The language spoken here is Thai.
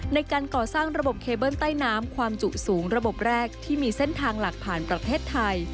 ในการก่อสร้างระบบเคเบิ้ลใต้น้ำความจุสูงระบบแรกที่มีเส้นทางหลักผ่านประเทศไทย